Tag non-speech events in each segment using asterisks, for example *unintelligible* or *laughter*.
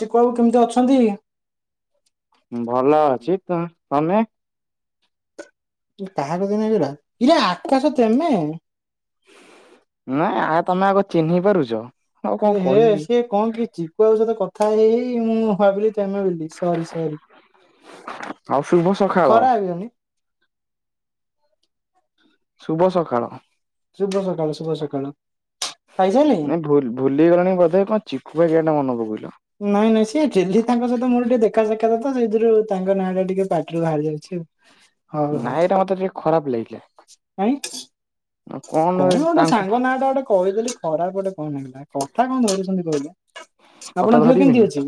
ଚିକୁ ବାବୁ କେମିତି ଅଛନ୍ତି? ଭଲ ଅଛି ତ-ତମେ? କାହା କତିକି ଲାଗିଗଲା ଇରେ ଆକାଶ ତମେ! ନା ଆଉ ତମେ ଆଗ ଚିହ୍ନି ପାରୁଛ? ଆଉ କଣ ଏ ହେ କହିବି ସିଏ କଣ କିଛି *unintelligible* ସହିତ କଥା ହେଲେନି। ଆଉ ଶୁଭ ସକାଳ କେମ ଶୁଭ ସକାଳ ଶୁଭ ସକାଳ ଶୁଭ ସକାଳ। ଖାଇସାରିଲେଣି? ଏ ଭୁଲିଗଲଣି ବୋଧେ କଣ ଚିଖୁ *unintelligible* ନାଇଁ ନାଇଁ ସିଏ ଡେ଼ଲି ତାଙ୍କ ସହିତ ମୋର ଟିକେ ଦେ ଦେଖା ସାକ୍ଷାତ ତ ସେଇଥିରୁ ତାଙ୍କ ନାଁ ଟା ଟିକେ ପାଟିରୁ ବାହାରି ଯାଉଛି ଆଉ। ହଉ ହଉ ନାଇଁ ଏଇଟା ମତେ ଟିକେ ଖରାପ ଲାଗିଲା। କାଇଁ? କଣ ହେଲା କଥା କଣ ଧରୁଛନ୍ତି କହିଲେ? କଥା ଆପଣଙ୍କ ଦେହ କେମିତି ଧରିବିନି ଅଛି?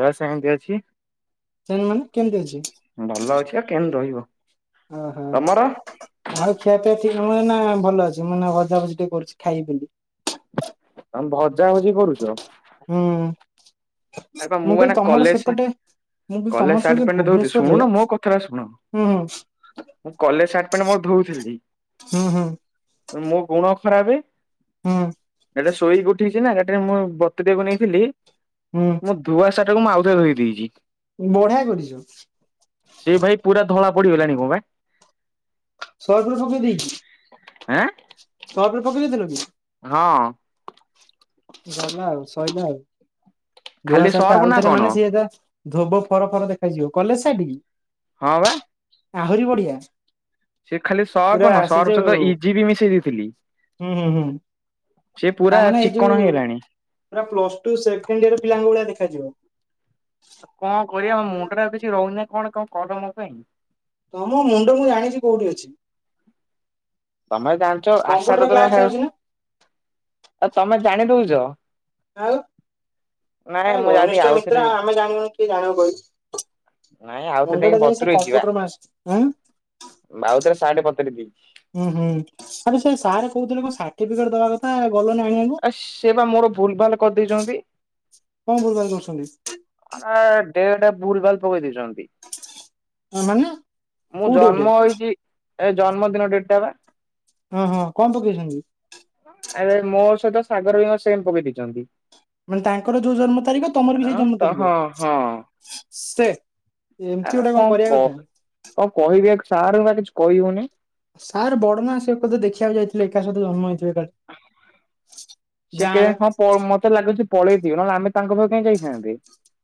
ଏ *unintelligible* ଅଛି ସେ ମାନେ କେମିତି ଅଛି? ଭଲ ଅଛି ଆଉ କେମତି ରହିବ। ଓହୋ ତମର ଆଉ ଖିଆପିଆ ମୁଁ ନା ଭଲ ଅଛି। ମୁଁ ନା ଭଜାଭଜି ଟିକେ କରୁଛି ଖାଇବି ବୋଲି। ତମେ ଭଜାଭଜି କରୁଛ? ହୁଁ। ଆରେ ମୁଁ କହିଲି ଏଇନା ତମର କଲେଜ ସେପଟେ ସାର୍ଟ ମୁଁ କହିଲି କଲେଜ ତମର ସାର୍ଟ ସେପଟେ ପେଣ୍ଟ ଧୋଉଛି ଭୁବନେଶ୍ଵରରେ ଶୁଣୁନ ମୋ କଥାଟା ଶୁଣ। ହୁଁ ମୁଁ କଲେଜ ସାର୍ଟ ପ୍ୟାଣ୍ଟ ମୋର ଧଉଥିଲି। ହୁଁ ହୁଁ। ମୋ ଗୁଣ ଖରାପେ ହୁଁ ଇନା ଶୋଇକି ଉଠିଲି ସିନା ଏଟା ମୁ ବତୁରେଇବାକୁ ନେଇଥିଲି। ହୁଁ ମୋ ଧୁଆ ସାର୍ଟ ଟାକୁ ମୁଁ ଆଉଥରେ ଧୋଇ ଦେଇଛି। ବଢିଆ କରିଛ। ସେଇ ଭାଇ ପୁରା ଧଳା ପଡିଗଲାଣି କଣ ପା ସର୍ଫ ପକେଇ ଦେଇିକି ଆଁ? ସର୍ଫ ରେ ପକେଇ ଦେଇଥିଲ କି? ହଁ। ଗଲା ଆଉ ସଇଲା ଆଉ। ଧୁଆ ଖାଲି ସାର୍ଟଟା ସର୍ପ ଆଉ ନା ଥରେ କଣ? ମାନେ ସିଏ ଧୋବ ଫର ଫର ଦେଖାଯିବ କଲେଜ ସାର୍ଟ କି? ହଁ ବା। ଆହୁରି ବଢିଆ। ସେ ଖାଲି ପୁରା ସର୍ଫ ନ ସେ ସର୍ଫ ଯୋଉ ସହିତ ଇଜି ବି ମିଶେଇ ଦେଇଥିଲି। ହୁଁ ହୁଁ ହୁଁ ସେ ପୁରା ତାମାନେ ଏଇ ଯୋଉ ଚିକଣ ହେଇ ପୁରା ପ୍ଲସ୍ ଟୁ ସେକେଣ୍ଡ ୟର ପିଲାଙ୍କ ଭଳିଆ ଦେଖାଯିବ। ଆଉ କଣ କରିବା ମୋ ମୁଣ୍ଡ ରେ ଆଉ କିଛି ରହୁନି କଣ କଣ କର ମୋ ପାଇଁ। ତମ ମୁଣ୍ଡ ମୁଁ ଜାଣିଛି ତମେ ଜାଣିଛ ଆସା କମ୍ପ୍ୟୁଟର ତ ତମ କ୍ଲାସ ଯାଉଛୁ ନା? ଆଉ ତମେ ଜାଣି ଦଉଛ? ଏ ନାଇଁ ମୁଁ ଯାଉଚି ଘନିଷ୍ଠ ଆଉଥରେ ମିତ୍ର ଆମେ ଜାଣିନୁ କି ଜାଣିବୁ କହି ନାଇଁ ଆଉଥରେ ଯାଇକି ବତୁୁରେଇଚି ପା ମାସ ଆଁ ଆଉଥରେ ସାର୍ଟ ବତୁୁରେଇ ଦେଇଚି। ହୁଁ ହୁଁ ଆ ସେ ସାର୍ କହୁଥିଲେ। କଣ ସାର୍ଟିଫିକେଟ ଦବା କଥା ଆଉ ଆ ସେ ବା ମୋର ଭୁଲଭାଲ କରିଦେଇଚନ୍ତି। କଣ ଭୁଲଭାଲ କରିସନ୍ତି। ଆ ଡେଟ ଭୁଲ ଭାଲ ପକେଇ ଦେଇଚନ୍ତି। ମାନେ ମୁଁ କୋଉଠି ଏଟେ ଜନ୍ମ ହେଇଛି। ଏ ଜନ୍ମଦିନ ଡେଟ ଟା ବା। ହଁ ହଁ କଣ ପକେଇଛନ୍ତି? ଆ ମୋ ସହିତ ସାଗର ଭାଇ ଙ୍କ ସେମ ପକେଇଦେଇଚନ୍ତି। ମାନେ ତାଙ୍କର ଯୋଉଁ ଜନ୍ମ ତାରିଖ ତମର ବି ଆଁ ସେଇ ଜନ୍ମ ତ ତାରିଖ ହଁ ହଁ। ସେ ଏମିତି ଆ ଗୋଟେ କଣ କରିବା କଥା କହୁ କଣ କହିବି ସାର୍ ବା କିଛି କହିହଉନି। ସାର୍ ବଡ ନା ସେ କଥା ଦେଖିବାକୁ ଯାଇଥିଲେ ଏକା ସହିତ ଜନ୍ମ ହେଇଥିଲେ କାଳେ। ସେ କେ ହଁ ମତେ ଲାଗୁଛି ପଳେଇଥିବ ନହେଲେ ଆମେ ତାଙ୍କ ପାଖରେ କାଇଁ ଯାଇଥାନ୍ତେ?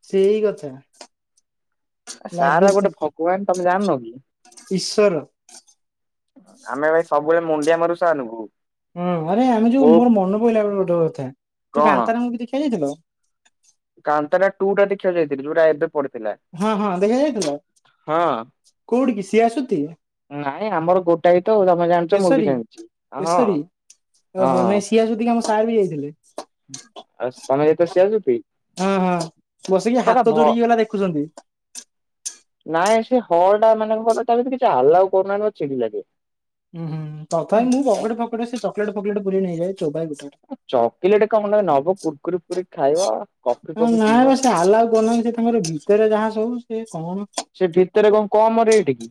ସେଇ କଥା *inaudible* ସାରା ଲାଗୁଛି ଗୋଟେ ଭଗବାନ ତମେ ଜାଣିନ କି। ଈଶ୍ୱର। ଆମେ ଭାଇ ସବୁବେଳେ ମୁଣ୍ଡିଆ ମାରୁ ସରେ ଙ୍କୁ। ହଁ ଆରେ ଆମେ ଯୋଉ କୋଉ ମୋର ମନେ ପଡିଲା ଗୋଟେ ଗୋଟେ କଥା ତୁ କଣ କାନ୍ତାରା ମୁଭି ଦେଖିବାକୁ ଯାଇଥିଲୁ? କାନ୍ତାରା ଟୁ ଟା ଦେଖିବା ଯାଇଥିଲି ଯଉଟ ଏବେ ପଡିଥିଲା। ହଁ ହଁ ଦେଖା ଯାଇଥିଲା? ହଁ। କୋଉଠିିକ କି ସିଏ ଆସୁଥ। ନାଇଁ ଆମର ଗୋଟାଏ ତ ତମେ ଜାଣିଛ ମୁଁ ବି କେଶରୀ ଜାଣିଛି ହଁ। କେଶରୀ ଓହୋ ନାଇଁ ସିଏ ଆସଛନ୍ତି କି ଆମ ସାର୍ ବି ଯାଇଥିଲେ। ଆ ତମେ ଯାଇଥିଲା ସିଆ ସୁତି? ହଁ ହଁ ବସିକି ହାତ ଯୋଡିକି ଗଲା ଦେଖୁଛନ୍ତି। ନାଇଁ ସେ ହଳ ଟା ମାନଙ୍କର ତା କିଛି ହାଲାଉ କରୁନାହାନ୍ତି ମୋର ଛିଡି ଲାଗେ। ହୁଁ ହଁ ତଥାପି ମୁଁ ଏ ପକଡେ ଫକଡେ ସେ ଚକଲେଟ ଫକୋଲେଟ ପୁର ନେଇଯାଏ ଚୋବାଇ ଗୋଟେ ଗୋଟେ ଚକୋଲେଟ କଣ ନବ କୁର୍କୁରି ଫୁରିୀ ଖାଇବ କଫି କଫି ପିଇବ ନା ମୋର ଭିତରେ ଯାହା ସବୁ ସେ କଣ? ସେ ଭିତରେ କଣ କମ ରେଟ କି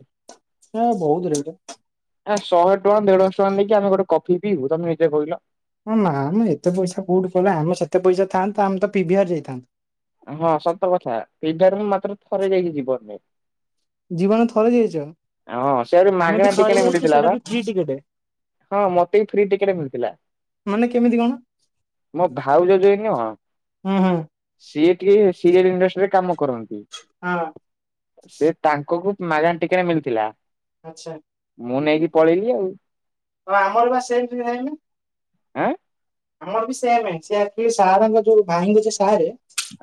ଏ ବହୁତ ରେଟ। ଶହେ ଙ୍କ ଦେଢଶହ ଟଙ୍କା ନେଇକ ଆମେ ଗୋଟେ କିଇୁ ତମେ ନିଜେ କହିଲ। ହ ନା ଆମ ଏତେ ପଇସା କୋଉଠି କଲେ ଆମ ସେତେ ପଇସା ଥାନ୍ତା ଆମେ ତ ପିିବହାର ଯାଇଥାନ୍ତୁ। ହଁ ସତ କଥା ପିଭିଆର ମୁଁ ମାତ୍ର ଥରେ ଯାଇକି ଯିବନ ରେ। ଜୀବନ ଥରେ ଯାଇଛ ହଁ ସେ ଆହୁରି ଆମେ ବି ମାଗଣା ଥରେ ଟିକେଣ ଯାଇଛୁ ମିଳିଥିଲା ସେଇଟା ବା। ବି ଫ୍ରି ଟିକେଟ ହଁ ମତେ ବି ଫ୍ରି ଟିକେଟ ମିଳିଥିଲା। ମାନେ କେମିତି କଣ? ମୋ ଭାଉଜଜ ଯାଉ ନୁହ ହୁଁ ହୁଁ ସିଏ ଟିକେ ସିଏ ଇଣ୍ଡଷ୍ଟ୍ରିରେ କାମ କରନ୍ତି ହଁ ସେି ତାଙ୍କ କ ମାଗାନ ଟିକେରେ ମିଳିଥିଲା। ଆଛା ମୁଁ ନେଇକି ଆଉ ପଳେଇଲି ଆମର ବା ସେମ ନାନି। ଆଁ। ଆମର ବି ସେ ସେ ସାଙ୍କ ଯୋଉ ଭାଇଙ୍କୁଛ ସାରେ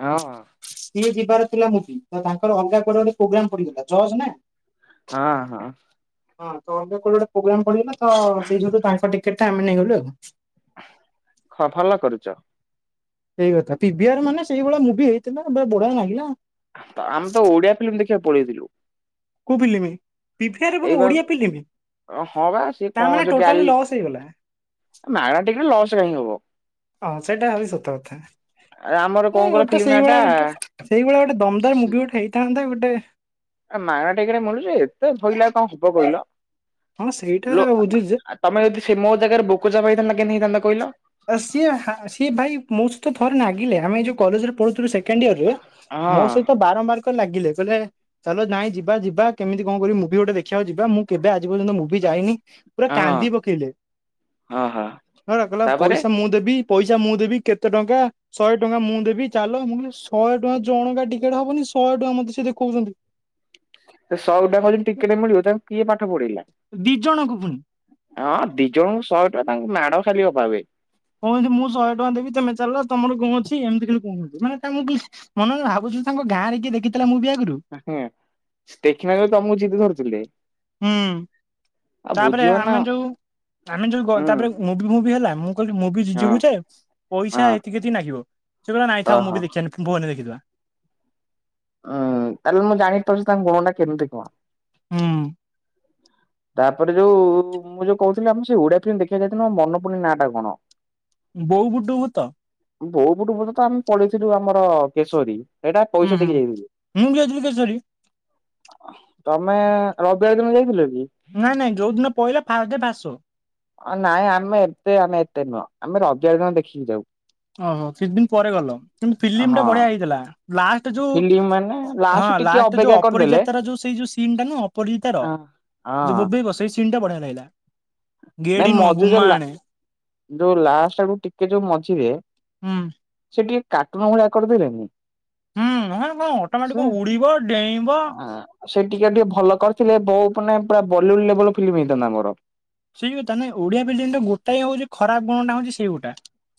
ଆଁ ହଁ। ସିଏ ଯିବାର ଥିଲା ମୁ ତ ତାଙ୍କର ଅଲଗା ପରେ ଗୋଗ୍ର ପଡିଗଲା ଜଜ ନା। ହଁ ହଁ। ହଁ ତଟେ ଗୋଟେ ପ୍ରୋଗ୍ରାମ ପଡିଗଲା ତ ସେଇଉୁ ତାଙ୍କ ଟିକେଟ ଟା ଆମେ ନେଇଗଲୁ ଆଉ। ଭଲ କରିଛ। ସେଇ କଥା ପିିଭିଆର ମାନେ ସେଇଭଳିଆ ମୁଭି ହେଇଥିଲା ବଡ ଲାଗିଲା। ଆମେ ତ ଓଡିଆ ଫିଲ୍ମ ଦେଖିବାକୁ ପଳେଆଇଥିଲୁ। କଉ ଫିଲିମି। ପିଭିଆର ରେ ପୁଣି ଓଡିଆ ଫିଲମ ହଁ ବା ତାମାନୋନ ଟୋଟାଲି ଲସ୍ ହେଇଗଲା। ନାଇ ମ କଣ ଲୋସ କାଇ ହବ? ହଁ ସେଇଟା ହେବ ସତ କଥା। ଆ ଆମର କଣ ନାଇଁ କହିଲ ଗୋଟେ ଫିଲ୍ମ ନା ଟା ସେଇଭଳିଆ ଗୋଟେ ସେଇଭଳି ଗୋଟେ ଦମଦାର ମୁଭି ଗୋଟେ ହେଇଥାନ୍ତା ଗୋଟେ ଏ ମାଗଣା ଟ ଗଟେ ମୁଲୁଛି ଏତେ ଭଇଲାଉ କଣ ହବ କହିଲ? ହଁ ସେଇଟା ଲୋ ବୁଝୁଛି ଯେ ତମେ ଯଦି ସେ ମୋ ଜାଗାରେ ବୋକଚା ହେଇଥାନ୍ତା କେମିତି ହେଇଥାନ୍ତା କହିଲ। ଆ ସିଏ ହା ସିଏ ଭାଇ ମସାଇତ ଥରେ ଲାଗିଲା ଆମେ ଯୋଉ କଲେଜରେ ପଢୁଥିଲୁ ସେକେଣ୍ଡର ରେ ହଁ ମୋ ସହିତ ବାରମ୍ବାର ଲାଗିଲେ କହିଲେ ଚାଲ ନାଇଁ ଯିବା ଯିବା କେମିତି କଣ କରିବି ମୁଭି ଗୋଟେ ଦେଖିବାକୁ ଯିବା ମୁଁ କେବେ ଆଜି ପର୍ଯ୍ୟନ୍ତ ମୁଭି ଯାଇନି ପୁରା ହଁ କାନ୍ଦି ପକେଇଲେ ହଁ ହଁ ହ କହିଲ ତାପରେ ପଇସା ମୁଁ ଦେବି। ପଇସା ମୁଁ ଦେବି କେତେ ଟଙ୍କା ଶହେ ଟଙ୍କା ମୁଁ ଦେବି ଚାଲ ମୁଁ କହିଲି ଶହେ ଟଙ୍କା ଜଣଙ୍କା ଟିକେଟ ହବନି ଶହେ ଟଙ୍କା ମତେ ସେ ଦେଖହୁଛନ୍ତି। ସଉଡା କ ଟିକେଟେ ମିଳିବ ତାଙ୍କୁ କିଏ ପାଠ ପଢିଲା। ଦି ଜଣଙ୍କୁ ପୁଣି ହଁ ଦି ଜଣଙ୍କୁ ଶହେ ଟଙ୍କା ତାଙ୍କୁ ମାଡ ଖାଲି ଅଭାବେ। କହୁନ୍ତି ମୁଁ ଶହେ ଟଙ୍କା ଦେବି ତମେ ଚାଲିଲ ତମର କୋଣ ଅଛି ଏମିତି ଖ କହୁହନ୍ତି ମାନେ ମୁଁ କିଛି ମନେ ଭାବୁଛି ତାଙ୍କ ଗଁରେ କିଏ ଦେଖଥିଲା ମୁଭି ଆଗେ ଦେଖିନ ଯ ତମକୁ ଜିଦି ଧରିଥିଲେ। ହୁଁ ତାପରେ ନା ଆମେ ଯୋଉ ଆମେ ଯୋଉ ଗ ହୁଁ ତାପରେ ମୁଭି ମୁଭି ହେଲା ମୁ କହିଲି ମୁଭି ହଁ ଯିବୁ ଯେ ହଁ। ପଇସା ଏତିକି ଏତିକି ନାଗିବ ସେ କହିଲ ନାଇଁ ଥାଉ ଓହୋ ମୁଭି ଦେଖିଆ ନି ଫୋନରେ ଦେଖିଦବା। ଉ ତାହେଲେ ମୁଁ ଜାଣି ପାରୁଛି ତାଙ୍କ ଗୁଣଟା କେମିତି କଣ। ହୁଁ। ତାପରେ ଯୋଉ ମୁଁ ଯୋଉ କହୁଥିଲି ଆମ ସେଇ ଓଡିଆ ଫିଲ୍ମ ଦେଖିବାକୁ ଯାଇଥିଲୁ ଆଉ ମନ ପଡୁନି ନାଁ ଟା କଣ? ବୋଉ ବୁଟୁ ଭୂତ। ବୋଉ ବୁଟୁ ଭୂତ ତ ଆମେ ପଳେଇଥିଲୁ ଆମର କେଶରୀ। ଏଇଟା ହୁଁ ପଇସା ହୁଁ ଦେଇକି ଯାଇଥିଲୁ। ମୁଁ ବି ଯାଇଥିଲି କେଶରୀ ତମେ ରବିବାର ଦିନ ଯାଇଥିଲ କି? ନାଇଁ ନାଇଁ ଯୋଉ ଦିନ ପଇଲା ଫାଷ୍ଟ ଡେ ଫାଷ୍ଟ ଶୋ। ନାଇଁ ଆମେ ଏବେ ଆମେ ଏତେ ନୁହଁ। ଆମେ ରବିବାର ଦିନ ଦେଖିକି ଯାଉ। ଓହୋ କିଛି ଦିନ ପରେ ଗଲ କିନ୍ତୁ ହଁ। ଫିଲ୍ମଟା ବଢିଆ ହେଇଥିଲା ଲାଷ୍ଟ ଯୋଉ ଫିଲ୍ମ ମାନେ ହ ହଁ ଟିକେ ଲାଷ୍ଟ ଅପେକ୍ଷା ଯୋଉ କରିଦେଲେ ଅପରିଜିିତାର ଯୋଉ ସେଇ ଯୋଉ ସିନ୍ ଟା ନୁହଁ ଅପରିଜିତାର। *unintelligible* ଯୋଉ ବୋବେଇବ ସେଇ ସିନ୍ ଟା ବଢିଆ ଲାଗିଲା। ଗେଡି ନାଇଁ ନୁହଁ ମଝିରେ ଗୁମା ଯୋଉ ଲା ଆଣେ ଯୋଉ ଲାଷ୍ଟ ଆଡକୁ ଟିକେ ଯୋଉ ମଝିରେ ହୁଁ। ସେ ଟିକେ କାଟୁନୁ ଭଳିଆ କରିଦେଲେନି। ହୁଁ ହଁ କଣ ଅଟୋମେଟିକ ସେ ଉଡିବ ଡେଇଁବ ସେ ଟିକେ ଟିକେ ଭଲ କରି। ଥିଲେ ବୋଉ ମାନେ ପୁରା ବଲିଉଡ ଲେଭଲ ଫିଲ୍ମ ହେଇଥାଆନ୍ତା ଆମର। ସେଇ କଥା ନା ଓଡିଆ ଫିଲ୍ମଟା ଗୋଟାଏ ହଉଛି ଖରାପ ଗୁଣଟା ହଉଛି ସେଇ ଗୋଟା।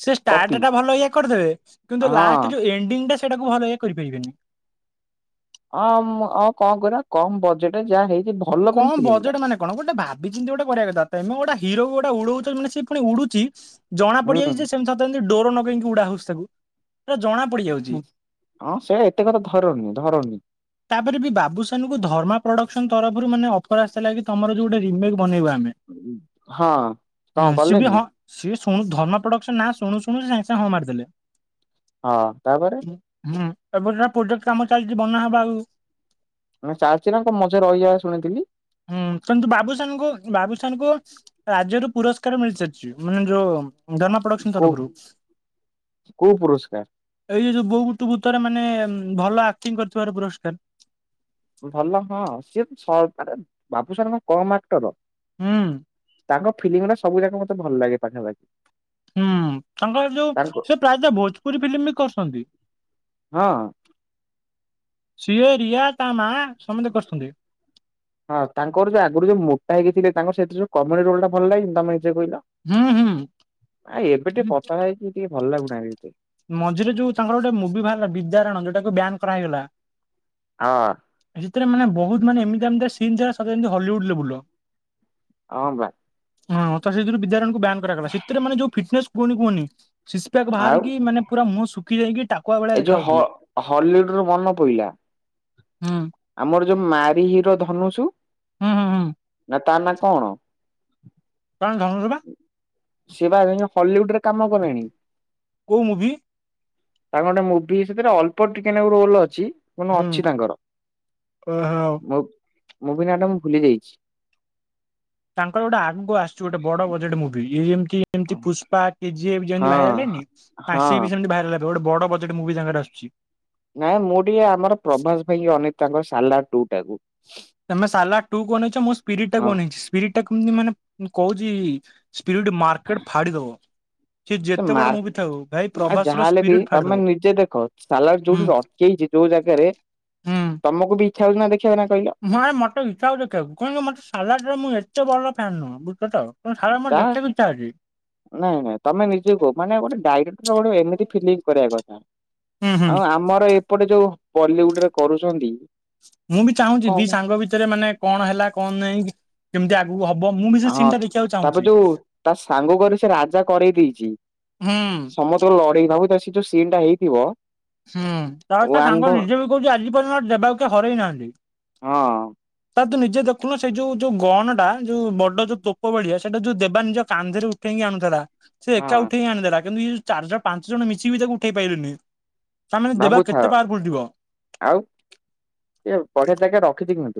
ସେ କପି ଷ୍ଟାର୍ଟ ଟା ଭଲ ଏଇଆ କରିଦେବେ କିନ୍ତୁ ହଁ ଲାଷ୍ଟ ଯୋଉ ଏଣ୍ଡିଙ୍ଗ ଟା। ସେଟାକୁ ଭଲ ଏଇଆ କରିପାରିବେନି। ଅ ମ୍ ଆଉ କଣ କରିବା କମ୍ ବଜେଟରେ ଯାହା ହେଇ କଣ ବଜେଟ ମାନେ କଣ ଗୋଟେ ଭାବିଚିନ୍ତି ଗୋଟେ କରିବା କଥା ତେମେ ଗୋଟେ ହିରୋକୁ ଗୋଟେ ଉଡଉଚ ତା ମାନେ ସେ ପୁଣି ଉଡୁଚି ଜଣା ହୁଁ। ପଡିଯାଉଚି ଯେ ସେମିତ ତା *unintelligible* ଡୋର ନଗେଇକି ଉଡା ହଉଚି। ତାକୁ ଜଣା ପଡିଯାଉଛି। ହଁ ସେ ଏତେ କଥା ଧରନି ଧରନି। ତାପରେ ବି ବାବୁସାନକୁ ଧର୍ମା ପ୍ରଡକ୍ସନ ତରଫରୁ ମାନେ ଅଫର ଆସିଥିଲା କି। ତମର ଯଉ ଗୋଟେ ରିମେକ୍ ବନେଇବା ଆମେ ହଁ କଣ ସିଏ ବି କଲେନି ହଁ ସିଏ ଧର୍ମା ପ୍ରଡକ୍ସନ ନାଁ ଶୁଣୁ ଶୁଣୁ ସିଏ ସାଙ୍ଗେ ସାଙ୍ଗେ ହଁ ମାରିଦେଲେ। ହଁ ତାପରେ ହୁଁ ଏବେ ଯଉ ପ୍ରୋଜେକ୍ଟ କାମ ଚାଲିଛି ବନା ହବ ଆଗକୁ। ମାନେ ଚାଲଚି ନା ମଝିରେ ରହିଯାଏ ଶୁଣିଥିଲି। ହୁଁ କିନ୍ତୁ ବାବୁସାନଙ୍କୁୁ ବାବୁସାନକୁ ରାଜ୍ୟରୁ ପୁରସ୍କାର ମିଳି ସାରିଛି ମାନେ ଯୋଉ ଧର୍ମା ପ୍ରଡକ୍ସନ କୁ ତରଫରୁ। କୁ ପୁରସ୍କାର ଏଇ ଯୋଉ ଯୋଉ ବୋଉ ବୁଟୁ ଭୂତରେ ମାନେ ଭଲ ଆକ୍ଟିଂ କରୁଥିବାର ପୁରସ୍କାର। ଭଲ ହଁ ସିଏ ତ ବାବୁସାନଙ୍କ କମ୍ ଆକ୍ଟର। ହୁଁ। ତାଙ୍କ ଫିଲ୍ମ ଗୁରା ସବୁ ଯାକ ମତେ ଭଲ ଲାଗେ ପାଖାପାଖି। ହୁଁ ତାଙ୍କ ଯୋଉ ତାଙ୍କୁ ସେ ପ୍ରାୟତଃ ଭୋଜପୁରୀ ଫିଲ୍ମ ବି କରିଚନ୍ତି। ହଁ। ସିଏ, ରିୟା, ତା ମାଆ ହଁ ତାଙ୍କର ଯୋଉ ଆଗରୁ ଯୋଉ ମୋଟା ହେଇକି ଥିଲେ ତାଙ୍କର ସେଇଠୁ ଯୋଉ କମେଡି ରୋଲଟା ଭଲ ଲାଗେନି ତମେ ନିଜେ କହିଲ ହୁଁ ହୁଁ। ଆ ଏବେ ଟିକେ ପତଳା ହେଇକି ଟିକେ ଭଲ ଲାଗୁ ନାହିଁ ବି ଏତେ। ମଝିରେ ଯୋଉ ତାଙ୍କର ଗୋଟେ ମୁଭି ଭାରିଲା ବିଦ୍ୟାରାଣ ଯୋଉଟାକୁ ବ୍ୟାନ୍ କରା ହେଇଗଲା। ହଁ। ସେଥିରେ ମାନେ ବୋହୁତ ମାନେ ଏମିତିଆ ଏମିତିଆ ସିନ୍ ଥିଲା ସବୁ ଯେମିତି ହଲିଉଡ୍ ଲେବୁଲର। ହଁ ବା। ହଁ ତ ସେଇଥିରୁ ବିଦ୍ୟାରଣକୁ ବ୍ୟାନ୍ କରାଗଲା ସେଥିରେ ମାନ ଯୋଉ ଫିଟନେସ୍ କୁହନି କୁହନି ସିସପ୍ୟାକ୍ ଆଉ ବାହାରି ମାନେ ପୁରା ମୁହଁ ଶୁଖି ଯାଇକି ଟାକୁଆ ଭଳିଆ ଏଇ ଯୋଉ ହ ଦେଖାଯାଉଥୁଲେ। ହଲିଉଡ ରୁ ମନେ ପଇଲା ଆମର ଯୋଉ ମାରି ହିରୋ ଧନୁଷୁ ହୁଁ ହୁଁ ହୁଁ। ନା ତା ନାଁ କଣ? କାରଣ ଧନୁର ବା ସିଏ ପ *unintelligible* ହଲିଉଡରେ କାମ କଲେଣି। କୋଉ ମୁଭି? ତାଙ୍କ ଗୋଟେ ମୁଭି ସେଥିରେ ଅଳ୍ପ ଟିକେନାକୁ ରୋଲ ଅଛି କିନ୍ତୁ ହୁଁ ଅଛି ତାଙ୍କର। ଓହୋ। ମୁଁ ମୁଭି ନାଆଟା ମୁଁ ଭୁଲିଯାଇଛି। ତାଙ୍କର ଗୋଟେ ଆଗକୁ ଆସୁଚି ଗୋଟେ ବଡ ବଜେଟ୍ ମୁଭି ଏଇ ଯେମତି ପୁଷ୍ପା କେଜି ଏଫ୍ ହଁ ଯେମିତି ଭାଇରଲ୍ ହେଇନି ଆ ହଁ। ସିଏ ବି ସେମିତି ଭାଇରାଲ ହେବେ ଗୋଟେ ବଡ ବଜେଟ୍ ମୁଭି ତାଙ୍କର ଆସୁଚି। ନାଇଁ ମୁଁ ଟିକେ ଆମର ପ୍ରଭାସ ଭାଇକି ଅନେଇଚି ତାଙ୍କର ସାଲାର୍ ଟୁଟାକୁ ତମେ ସାଲାର୍ ଟୁକୁ ଅନେଇଚ ମୁଁ ସ୍ପିରିଟଟାକୁ ହଁ ଅନେଇଚି ସ୍ପିରିଟଟା କେମତି ମାନେ କୋହୁଚି ସ୍ପିରିଟ୍ ମାର୍କେଟ୍ ଫାଡ଼ିଦବ। ସେ ମାର୍କ୍-ଆ ର ଯାହାହେଲେ ବି ସ୍ପିରିଟ ତମେ ଫାଡିଦବ। ନିଜେ ଦେଖ ସାଲର୍ ହୁଁ ଯୋଉଠି ଅଟକେଇ ଚି ଯୋଉ ଜାଗାରେ ହୁଁ। ତମକୁ ବି ଇଚ୍ଛା ହଉଛି ନା ଦେଖିବା ନା କହିଲ ନାଇଁ ମତେ ଇଚ୍ଛା ହୋଉଚି ଦେଖିବାକୁ କଣ କି ମତେ ସାଲାରର ମୁଁ ଏତେ ବଡ ଫ୍ୟାନ୍ ନୁହଁ ବୁଝଚ ତ। କିନ୍ତୁ ସାଲାର ମୋର ଯା ଦେଖିବାକୁ ଇଚ୍ଛା ଅଛି। ନାଇଁ ନାଇଁ ତମେ ନିଜ କୁହ ମାନେ ଗୋଟେ ଡାଇରେକ୍ଟର ଗୋଟେ ଏମିତି ଫିଲ୍ମ କରିବା କଥା? ହୁଁ ହୁଁ। ଆଉ ଆମର ଏପଟେ ଯୋଉ ବଲିଉଡରେ କରୁଚନ୍ତି ମୁଁ ବି ଚାହୁଁଚି ଦି ସାଙ୍ଗ ଭିତରେ ମାନେ କଣ ହେଲା କଣ ନେହିଁକି କେମତି ଆଗ ହଁ ତାପରେ ଯୋଉ ତା ସାଙ୍ଗ କରି ସେ ରାଜା କରେଇଦେଇଚି। ହୁଁ ସମସ୍ତଙ୍କର ଲଢେଇ ଭାବୁଥା ସେ ଯୋଉ ସିନଟା ହେଇଥିବ ହୁଁ ତାପରେ ତା ୱାନ୍ ଭ ସାଙ୍ଗ ନିଜେ ବି କୋହୁଚି ଆଜି ପର୍ଯ୍ୟନ୍ତ ଦେବାକୁ କେହି ହରେଇ ନାହାନ୍ତି। ହଁ। ତା ତୁ ନିଜେ ଦେଖୁନ ସେଇ ଯୋଉ ଯୋଉ ଗନଟା ଯୋଉ ବଡ ଯୋଉ ତୋପ ଭଳିଆ ସେଟା ଯୋଉ ଦେବା ନିଜ କାନ୍ଧରେ ଉଠେଇ ଆଣୁଥୁଲା ସେ ଏକା ହଁ ଉଠେଇ ଆଣିଦଲା କିନ୍ତୁ ଇଏ ଯୋଉ ଚାରି ଜ ପାଞ୍ଚ ଜଣ ମିଶିକି ବି ତାକୁ ଉଠେଇ ପାଇଲେନି। ତା ମାନେ ଦେବା କେତେ ଭାବୁଥାଅ ପାୱାରଫୁଲ ଥିବ। ଆଉ ଇଏ ବଢିଆ ଜାଗାରେ ରଖିଚି କି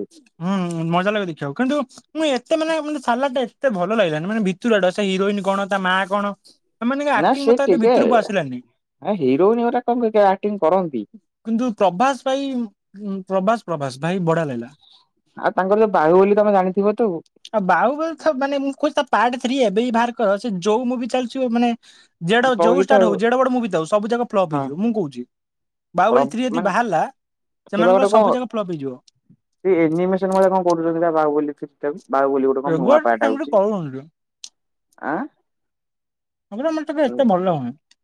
ହୁଁ ମଜା ଲାଗେ ଦେଖିବାକୁ କିନ୍ତୁ ମୁଁ ଏତେ ମାନେ ମାନେ ସାଲାରଟା ଏ ଏତେ ଭଲ ଲାଗିଲାନି ମାନେ ଭିତୁରୁଆଟା ସେ ହିରୋଇନ କଣ ତା ମାଆ କଣ। ଏମାନଙ୍କ ନା ଆକ୍ଟିଂ ସେ ମତେ ଏତେ ଟିକେ ଭିତରକୁ ଆସିଲାନି ଆ ହିରୋଇନ ଗୁରା କଣ ଆଟିଙ୍ଗ୍ କରନ୍ତି କିନ୍ତୁ ପ୍ରଭାସ ଭାଇ ପ୍ରଭାସ ପ୍ରଭାସ ଭାଇ ବଢିଆ ଲାଗିଲା। ଆଉ ତାଙ୍କର ଯୋଉ ବାହୁବଲି ତମେ ଜାଣିଥିବ ତ ଆଉ ବାହୁବଳୀ ତ ମାନେ ମୁଁ କୋହୁଚି ତା ପାର୍ଟ ଥ୍ରୀ ଏବେ ବି ଭାର କର ସିଏ ଯୋଉ ମୁଭି ଚାଲୁଚି ହୋଉ ମାନେ ଯେଡ ଯୋଉ ପଇତା ଷ୍ଟାର୍ ଆଉ ହୋଉ ଯେଡ଼େବଡ ମୁଭି ଥାଉ ସବୁ ଜାକ ଫ୍ଲପ୍ ହଁ ହେଇଯିବ ମୁଁ କୋହୁଚି। ପ୍ର ବାହୁବଳୀ ଥ୍ରୀ ଯଦି ମାନେ ବାହାରିଲା ସେମାନଙ୍କର ସବୁ ଜାକ ଫ୍ଲପ୍ ହେଇଯିବ। ସେଇ ଏନିମେସନ୍ ଭଳିଆ କଣ କରୁଚନ୍ତି ପା ବାହୁବଳୀ ଥ୍ରୀଟାକୁ। ବାହୁବଲୀ ଗୋଟେ କଣ ନୂଆ ରେଗୁଆଟା ପାର୍ଟ୍ ସେମିତି ଆଉଚି କରୁଛନ୍ତି ଆଁ ହେଗୁରା ମତେ କାଇଁ ଏତେ ଭଲ ଲାଗୁନେଇଁ।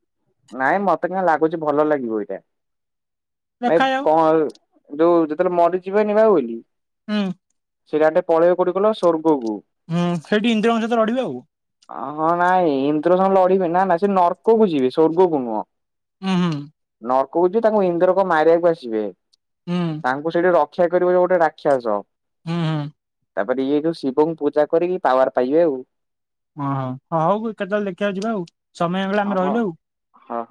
ନାଇଁ ମତେ କାଇଁ ଲାଗୁଚି ଭଲ ଲାଗିବ ଏଇଟା। ଭାଇ ଦେଖାଯାଉ। କଣ ଯୋଉ ଯେତେବେଳେ ମରିଯିବେନି ବାହୁବଲୀ ହୁଁ। *unintelligible* ସ୍ୱର୍ଗ କୁ ହୁଁ ସେଇଠି ଇନ୍ଦ୍ରଙ୍କ ସହିତ ଲଢ଼ିବେ ଆଉ। ହ ହଁ ନାଇଁ ଇନ୍ଦ୍ରସଙ୍ଗ ଲଢିବେ ନା ନା ସେ ନର୍କକୁ ଯିବେ, ସ୍ୱର୍ଗ କୁ ନୁହଁ। ହୁଁ ହୁଁ। ନର୍କକୁ ଯିବେ, ତାଙ୍କୁ ଇନ୍ଦ୍ରକ ମାରିବାକୁ ଆସିବେ, ହୁଁ ତାଙ୍କୁ ସେଠି ର ରକ୍ଷା କରିବ, ଇଏ ଗୋଟେ ରାକ୍ଷସ। ହୁଁ ହୁଁ। ତାପରେ ଇଏ ଯୋଉ ଶିବଙ୍କୁ ପୂଜା କରିକି ପାୱାର ପାଇବେ ଆଉ ଓହୋ ହ ହଉ କେତେବେଳେ ଦେଖିବାକୁ ଯିବା ଆଉ। ସମୟ ମିଳିଲେ ଆମେ ହଁ ରହିଲୁ ଆଉ ହଁ ହଁ